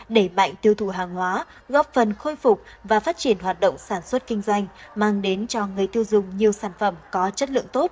đẩy mạnh tiêu thụ hàng hóa góp phần khôi phục và phát triển hoạt động sản xuất kinh doanh mang đến cho người tiêu dùng nhiều sản phẩm có chất lượng tốt